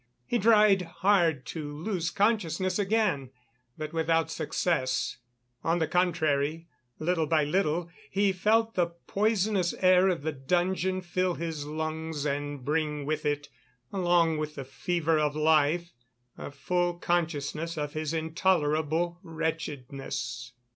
He tried hard to lose consciousness again, but without success; on the contrary, little by little he felt the poisonous air of the dungeon fill his lungs and bring with it, along with the fever of life, a full consciousness of his intolerable wretchedness.